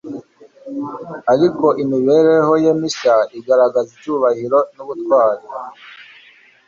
ariko imibereho ye mishya igaragaza icyubahiro n’ubutware